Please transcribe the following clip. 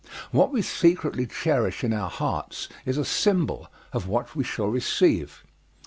What we secretly cherish in our hearts is a symbol of what we shall receive.